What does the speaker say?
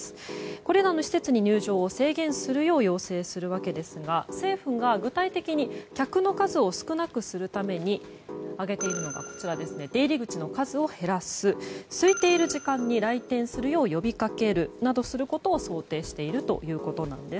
これらの施設に入場を制限するよう要請するわけですが政府が具体的に客の数を少なくするために挙げているのが出入り口の数を減らすすいている時間に来店するよう呼びかけるなどすることを想定しているということです。